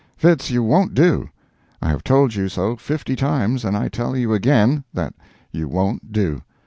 Fitz, you won't do. I have told you so fifty times, and I tell you again, that you won't do.